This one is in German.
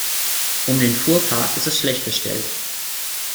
Um den Fuhrpark ist es schlecht bestellt.